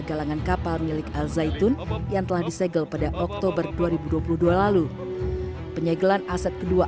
galangan kapal milik al zaitun yang telah disegel pada oktober dua ribu dua puluh dua lalu penyegelan aset kedua